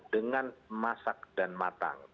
dengan masak dan matang